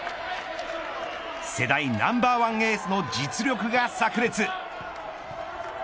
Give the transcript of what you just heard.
世代ナンバーワンエースの実力がさく裂。